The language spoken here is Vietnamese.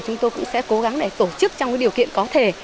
chúng tôi cũng sẽ cố gắng để tổ chức trong điều kiện có thể